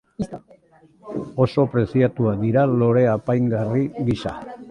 Oso preziatuak dira lore apaingarri gisa.